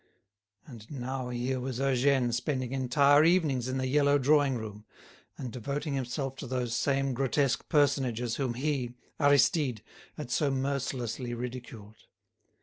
And now here was Eugène spending entire evenings in the yellow drawing room, and devoting himself to those same grotesque personages whom he, Aristide, had so mercilessly ridiculed.